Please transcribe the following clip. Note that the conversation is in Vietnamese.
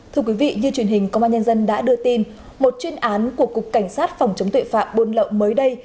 thưa quý vị như truyền hình công an nhân dân đã đưa tin một chuyên án của cục cảnh sát phòng chống tội phạm buôn lậu mới đây